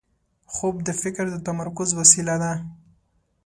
خوب د فکر د تمرکز وسیله ده